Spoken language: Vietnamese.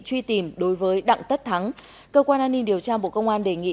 truy tìm đối với đặng tất thắng cơ quan an ninh điều tra bộ công an đề nghị